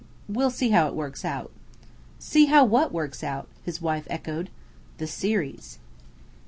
We'll see how it works out." "See how what works out?" his wife echoed. "The series."